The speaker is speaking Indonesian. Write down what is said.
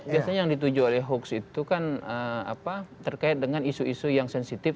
biasanya yang dituju oleh hoax itu kan terkait dengan isu isu yang sensitif